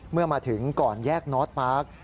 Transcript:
เมื่อมาถึงก่อนแยกนอสปาร์ค